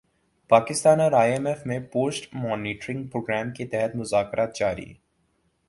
پاکستان اور I M F میں post monitoring programme کے تحت مذاکرات جاری